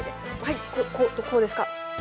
ここうですか？